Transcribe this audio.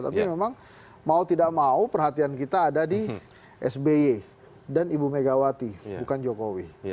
tapi memang mau tidak mau perhatian kita ada di sby dan ibu megawati bukan jokowi